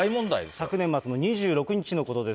昨年末の２６日のことです。